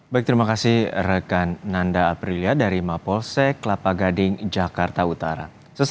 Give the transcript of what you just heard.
baik terima kasih rekan nanda aprilia dari mapolsek kelapa gading jakarta utara